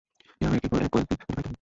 এভাবে একের পর এক কয়েকদিন অতিবাহিত হয়।